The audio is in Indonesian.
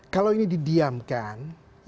kalau ini didiamkan